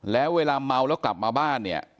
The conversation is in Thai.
แล้วเวลาเมาแล้วกลับมาบ้านเนี่ย